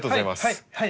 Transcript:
はい！